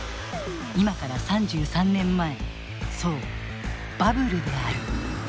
今から３３年前そうバブルである。